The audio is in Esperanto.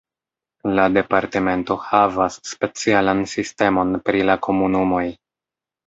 La departemento havas specialan sistemon pri la komunumoj.